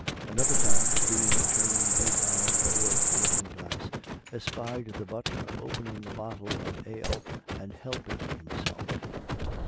Another time the Dean turning his eye towards the looking glass, espied the butler opening a bottle of ale, and helping himself.